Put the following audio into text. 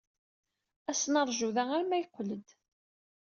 As-d ad neṛju da arma yeqqel-d.